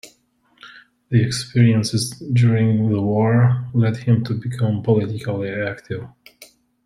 The experiences during the war led him to become politically active.